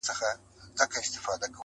په هر کور کي د طوطي کیسه توده وه.!